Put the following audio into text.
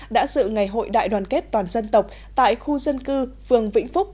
đã sự ngày hội đại đoàn kết toàn dân tộc tại khu dân cư phường vĩnh phúc